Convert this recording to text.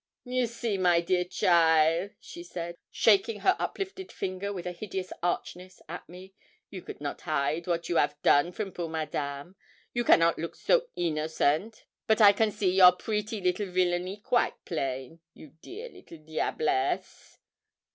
'You see, my dear cheaile,' she said, shaking her uplifted finger with a hideous archness at me, 'you could not hide what you 'av done from poor Madame. You cannot look so innocent but I can see your pretty little villany quite plain you dear little diablesse.